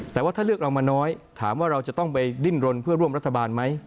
แต่ว่าถ้าเลือกเรามาน้อยถามว่าเราจะต้องไปดิ้นรนเพื่อร่วมรัฐบาลไหม